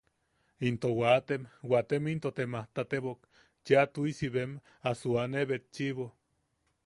Into waatem, waatem into te majtatebok cheʼa tuʼisi bem a suane betchiʼibo.